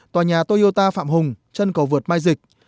tòa nhà toyota phạm hùng chân cầu vượt mai dịch